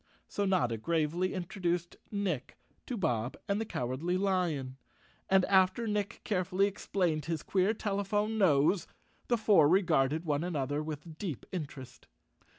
So Notta gravely introduced Nick to Bob and the Cowardly Lion and, after Nick carefully explained his queer telephone nose, the four regarded one another with deep interest.